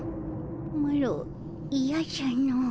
マロいやじゃの。